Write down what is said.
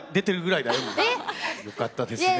よかったですね。